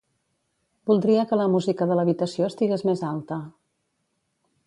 Voldria que la música de l'habitació estigués més alta.